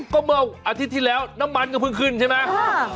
ก็เมื่ออาทิตย์ที่แล้วน้ำมันก็เพิ่งขึ้นใช่ไหม